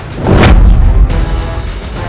tidak akan ibunda